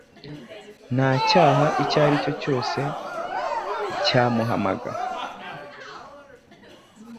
Nta cyaha icyo ari cyo cyose cyamuhamaga